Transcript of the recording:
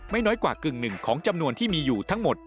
น้อยกว่ากึ่งหนึ่งของจำนวนที่มีอยู่ทั้งหมด